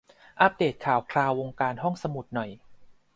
อัปเดทข่าวคราววงการห้องสมุดหน่อย